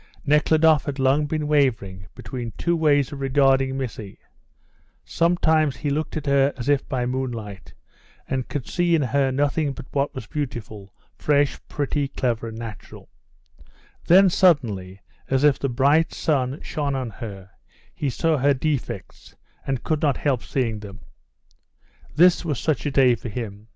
Nekhludoff had long been wavering between two ways of regarding Missy; sometimes he looked at her as if by moonlight, and could see in her nothing but what was beautiful, fresh, pretty, clever and natural; then suddenly, as if the bright sun shone on her, he saw her defects and could not help seeing them. This was such a day for him.